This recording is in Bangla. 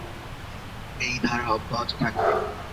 এই ধারা অব্যাহত থাকবে।